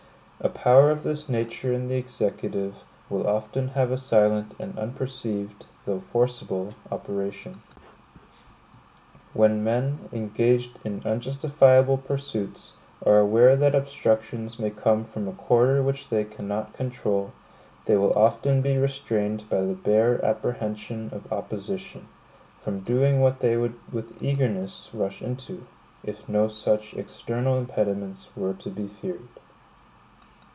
A power of this nature in the Executive, will often have a silent and unperceived, though forcible, operation. When men, engaged in unjustifiable pursuits, are aware that obstructions may come from a quarter which they cannot control, they will often be restrained by the bare apprehension of opposition, from doing what they would with eagerness rush into, if no such external impediments were to be feared.